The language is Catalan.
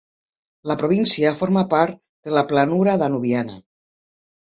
La província forma part de la Planura Danubiana.